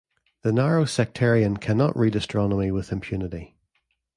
The narrow sectarian cannot read astronomy with impunity.